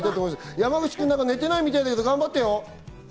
山口君、寝てないみたいだけど頑張ってよ。